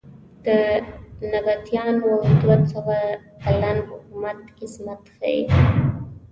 د نبطیانو دوه سوه کلن حکومت عظمت ښیې.